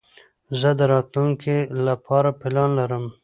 زه د راتلونکي له پاره پلان لرم.